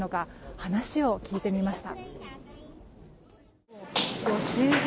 話を聞いてみました。